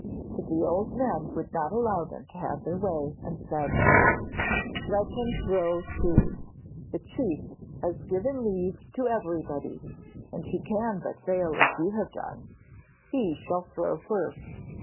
But the old men would not allow them to have their way, and said: 'Let him throw, too; the chief has given leave to everybody, and he can but fail as you have done. He shall throw first.'